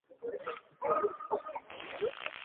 Bawm hi a cung lei in kan ong lai lo.